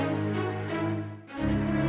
ayo kita mulai berjalan